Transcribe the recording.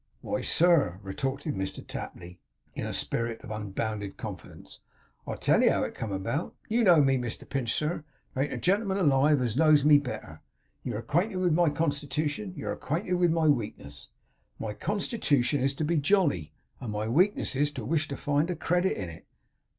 'Why, sir,' retorted Mr Tapley, in a spirit of unbounded confidence, 'I'll tell you how it come about. You know me, Mr Pinch, sir; there ain't a gentleman alive as knows me better. You're acquainted with my constitution, and you're acquainted with my weakness. My constitution is, to be jolly; and my weakness is, to wish to find a credit in it.